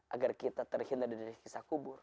agar kita terhindar dari kisah kubur